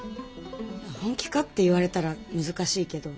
本気かって言われたら難しいけど。